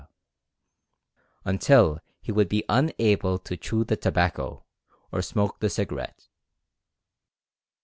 until he would be unable to chew the tobacco, or smoke the cigarette.